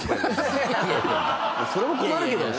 それも困るけどね。